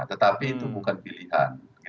tetapi itu bukan pilihan